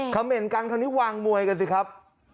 เหม็นกันคราวนี้วางมวยกันสิครับ